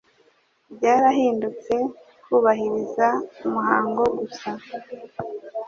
byarahindutse kubahiriza umuhango gusa